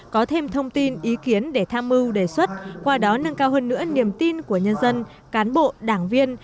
có thêm thông tin ý kiến để tham mưu đề xuất qua đó nâng cao hơn nữa niềm tin của nhân dân cán bộ đảng viên